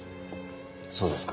そうですか。